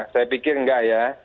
saya pikir nggak ya